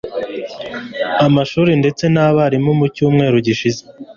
amashuri ndetse nabarimu Mu cyumweru gishize